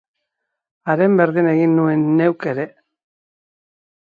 Haren berdin egin nuen neuk ere.